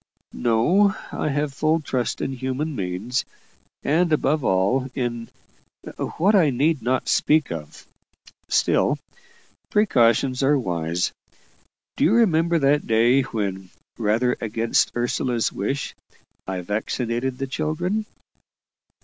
"No; I have full trust in human means, and above all, in what I need not speak of. Still, precautions are wise. Do you remember that day when, rather against Ursula's wish, I vaccinated the children?"